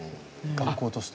学校として。